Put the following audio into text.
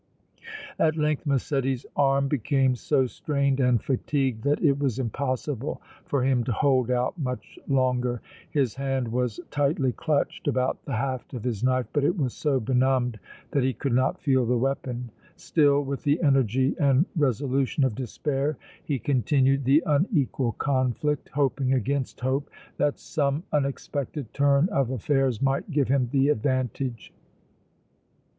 At length Massetti's arm became so strained and fatigued that it was impossible for him to hold out much longer. His hand was tightly clutched about the haft of his knife, but it was so benumbed that he could not feel the weapon. Still with the energy and resolution of despair he continued the unequal conflict, hoping against hope that some unexpected turn of affairs might give him the advantage.